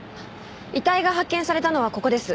遺体が発見されたのはここです。